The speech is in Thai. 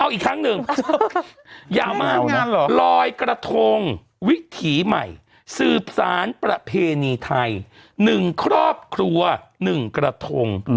อีกครั้งหนึ่งยาวมากลอยกระทงวิถีใหม่สืบสารประเพณีไทย๑ครอบครัว๑กระทง